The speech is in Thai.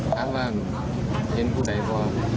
ถามว่าเห็นผู้ใดก็